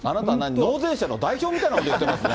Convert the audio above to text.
納税者の代表みたいなこと言ってますね。